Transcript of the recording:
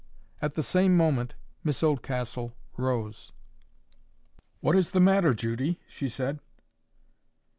At the same moment Miss Oldcastle rose. "What is the matter, Judy?" she said.